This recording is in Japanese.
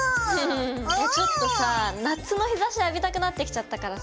いやあちょっとさあ夏の日ざし浴びたくなってきちゃったからさ。